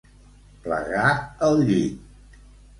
Plegar el llit.